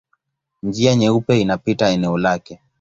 Njia Nyeupe inapita eneo lake.